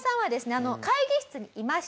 会議室にいました。